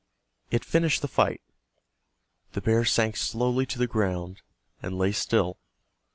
It finished the fight. The bear sank slowly to the ground, and lay still.